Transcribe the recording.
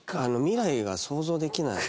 未来が想像できない。